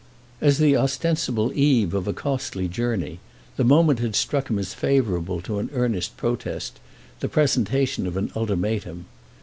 As the ostensible eve of a costly journey the moment had struck him as favourable to an earnest protest, the presentation of an ultimatum.